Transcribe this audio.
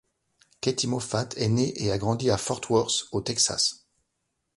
Katy Moffatt est née et a grandi à Fort Worth, au Texas.